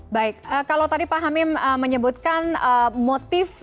baik kalau tadi pak hamim menyebutkan motif